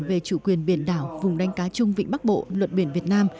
về chủ quyền biển đảo vùng đánh cá chung vịnh bắc bộ luật biển việt nam